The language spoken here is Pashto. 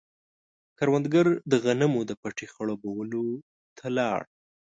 کروندګر د غنمو د پټي خړوبولو ته لاړ.